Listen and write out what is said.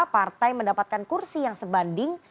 partai mendapatkan kursi yang sebanding